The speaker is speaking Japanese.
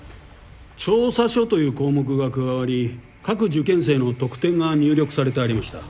「調査書」という項目が加わり各受験生の得点が入力されてありました。